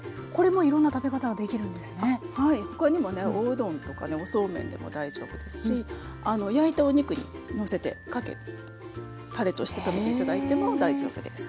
はい他にもねおうどんとかねおそうめんでも大丈夫ですし焼いたお肉にのせてたれとして食べて頂いても大丈夫です。